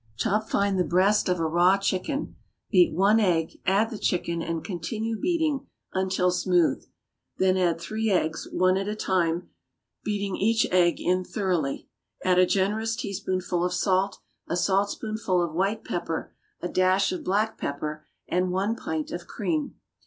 = Chop fine the breast of a raw chicken. Beat one egg, add the chicken, and continue beating until smooth; then add three eggs, one at a time, beating each egg in thoroughly. Add a generous teaspoonful of salt, a saltspoonful of white pepper, a dash of black pepper and one pint of cream.